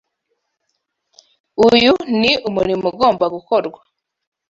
Uyu ni umurimo ugomba gukorwa